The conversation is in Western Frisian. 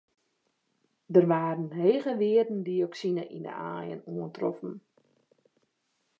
Der waarden hege wearden dioksine yn de aaien oantroffen.